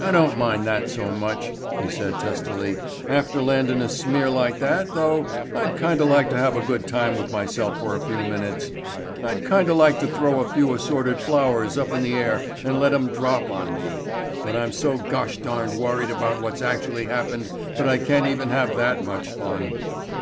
"I don't mind that so much," he said testily. "After landin' a smear like that, though, I'd kinda like to have a good time with myself for a few minutes. I'd kinda like to throw a few assorted flowers up in the air and let 'em drop on me, but I'm so gosh darned worried about what's actually happened that I can't even have that much fun."